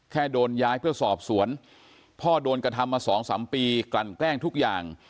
โดนย้ายเพื่อสอบสวนพ่อโดนกระทำมาสองสามปีกลั่นแกล้งทุกอย่าง